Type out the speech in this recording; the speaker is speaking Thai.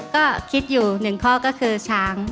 ก็คิดอยู่๑ข้อก็คือช้าง